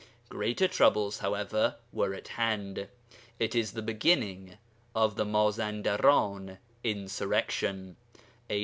Greater troubles, however, were at hand; it is the beginning of the Mazandaran insurrection (A.